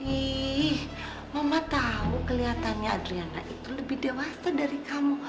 ih mama tahu kelihatannya adriana itu lebih dewasa dari kamu